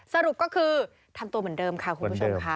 สรุปก็คือทำตัวเหมือนเดิมค่ะคุณผู้ชมค่ะ